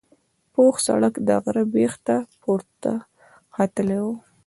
پوخ سړک د غره بیخ ته پورته ختلی و.